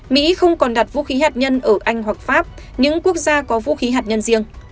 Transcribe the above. mỹ không còn đặt vũ khí hạt nhân ở anh hoặc pháp những quốc gia có vũ khí hạt nhân riêng